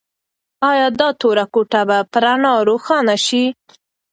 ایا دا توره کوټه به په رڼا روښانه شي؟